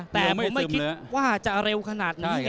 แต่ผมไม่คิดว่าจะเร็วขนาดนี้